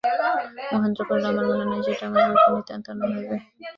মহেন্দ্র কহিল, আমার মনে হয়, সেটা আমার পক্ষে নিতান্ত অন্যায় হইবে।